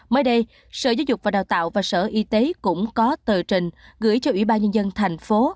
mới đây sở giáo dục và đào tạo và sở y tế cũng có tờ trình gửi cho ủy ban nhân dân thành phố